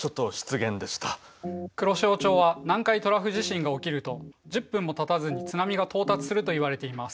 黒潮町は南海トラフ地震が起きると１０分もたたずに津波が到達するといわれています。